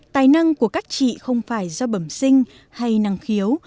tài năng của các chị không phải do bẩm sinh hay năng khiếu